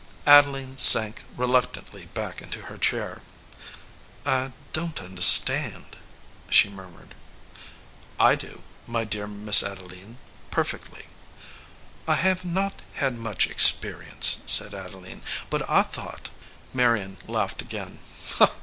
Adeline sank reluctantly back into her chair. "I don t understand," she murmured. "I do, my dear Miss Adeline, perfectly." "I have not had much experience," said Adeline, "but I thought " Marion laughed again.